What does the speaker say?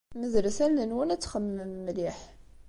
Medlet allen-nwen ad txemmmem mliḥ.